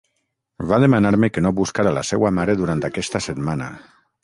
Va demanar-me que no buscara la seua mare durant aquesta setmana.